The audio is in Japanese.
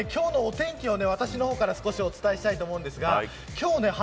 まずは今日のお天気を私の方から少しお伝えしたいと思います。